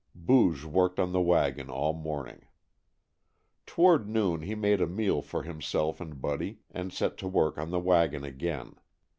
Booge worked on the wagon all morning. Toward noon he made a meal for himself and Buddy, and set to work on the wagon again.